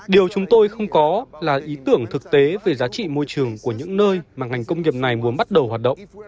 điều chúng tôi không có là ý tưởng thực tế về giá trị môi trường của những nơi mà ngành công nghiệp này muốn bắt đầu hoạt động